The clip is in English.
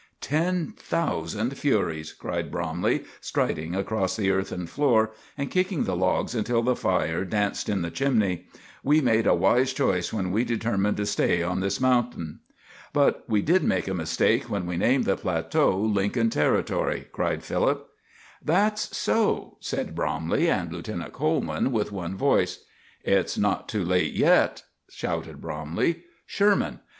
"Ten thousand furies!" cried Bromley, striding across the earthen floor and kicking the logs until the fire danced in the chimney; "we made a wise choice when we determined to stay on this mountain." "But we did make a mistake when we named the plateau Lincoln Territory," cried Philip. "That's so," said Bromley and Lieutenant Coleman, with one voice. "It's not too late yet," shouted Bromley. "Sherman!